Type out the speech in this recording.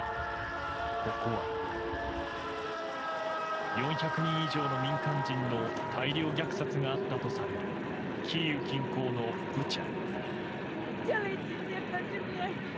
ここは４００人以上の民間人の大量虐殺があったとされるキーウ近郊のブチャ。